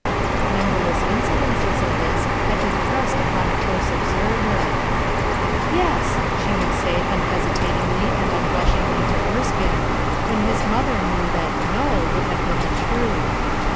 Numberless instances of this had been thrust upon a close observer, "Yes," she would say unhesitatingly and unblushingly to Erskine, when his mother knew that "No" would have been the truth.